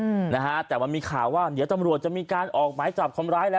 อืมนะฮะแต่มันมีข่าวว่าเดี๋ยวตำรวจจะมีการออกหมายจับคนร้ายแล้ว